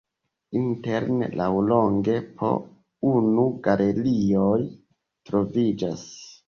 Interne laŭlonge po unu galerioj troviĝas.